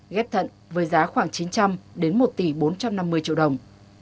ghép thận với giá khoảng chín trăm linh một tỷ bốn trăm năm mươi triệu đồng